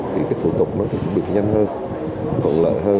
thì thủ tục nó cũng được nhanh hơn thuận lợi hơn